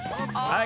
ああ！